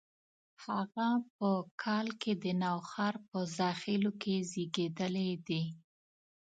هغه په کال کې د نوښار په زاخیلو کې زیږېدلي دي.